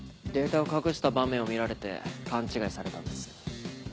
データを隠した場面を見られて勘違いされたんです。